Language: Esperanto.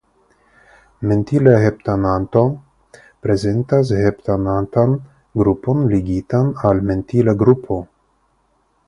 Mentila heptanato prezentas heptanatan grupon ligitan al mentila grupo.